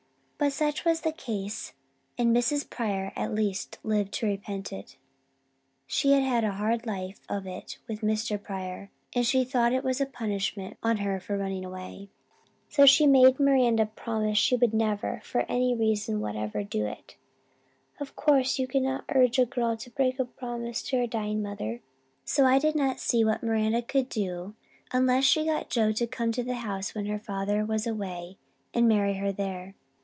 But such was the case and Mrs. Pryor at least lived to repent it. She had a hard life of it with Mr. Pryor, and she thought it was a punishment on her for running away. So she made Miranda promise she would never, for any reason whatever, do it. "Of course, you cannot urge a girl to break a promise made to a dying mother, so I did not see what Miranda could do unless she got Joe to come to the house when her father was away and marry her there.